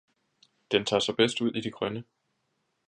Den tager sig bedst ud i det grønne!